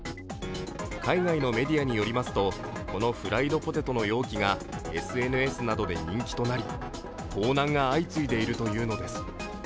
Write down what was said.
海外のメディアによりますと、このフライドポテトの容器がＳＮＳなどで人気となり盗難が相次いでいるというのです。